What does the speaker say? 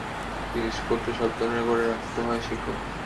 জিনিসপত্র সাবধান করে রাখতে শিখো।